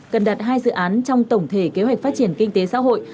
cần đặt hai dự án trong tổng thể kế hoạch phát triển kinh tế xã hội